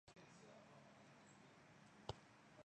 第一次在审判中的表现是在有关纳粹的罪行上。